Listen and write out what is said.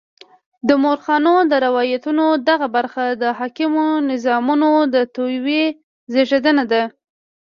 د مورخانو د روایتونو دغه برخه د حاکمو نظامونو د توطیو زېږنده ده.